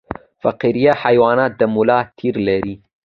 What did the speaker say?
فقاریه حیوانات د ملا تیر لري